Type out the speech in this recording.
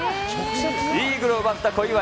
イーグルを奪った小祝。